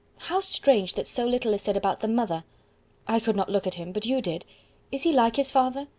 How strange that so little is said about the mother. I could not look at him, but you did. Is he like his father?